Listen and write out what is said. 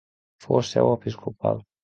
Fou seu episcopal.